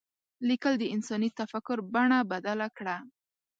لیکل د انساني تفکر بڼه بدله کړه.